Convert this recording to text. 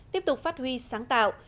tiếp tục phát huy sáng tạo